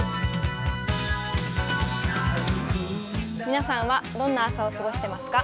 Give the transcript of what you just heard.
皆さんはどんな朝を過ごしてますか？